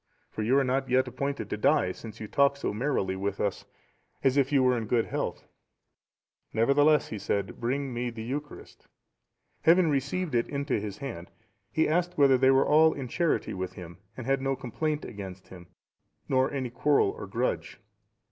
for you are not yet appointed to die, since you talk so merrily with us, as if you were in good health." "Nevertheless," said he, "bring me the Eucharist." Having received It into his hand, he asked, whether they were all in charity with him, and had no complaint against him, nor any quarrel or grudge.